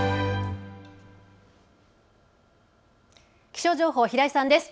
気象情報、平井さんです。